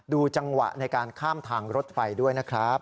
ดูจังหวะในการข้ามทางรถไฟด้วยนะครับ